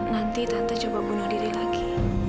nanti tante coba bunuh diri lagi